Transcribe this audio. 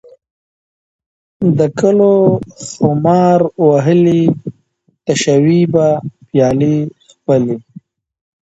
د کلو خمار وهلي تشوي به پیالې خپلي